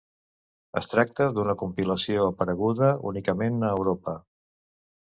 Es tracta d'una compilació apareguda únicament a Europa.